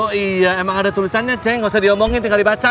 oh iya emang ada tulisannya c nggak usah diomongin tinggal dibaca